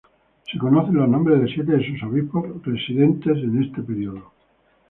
Se conocen los nombres de siete de su obispos residentes de este período.